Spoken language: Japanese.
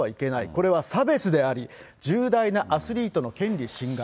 これは差別であり、重大なアスリートの権利侵害。